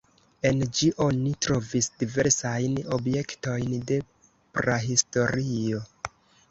En ĝi oni trovis diversajn objektojn de prahistorio.